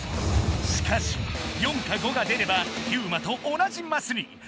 しかし４か５が出ればユウマと同じマスに。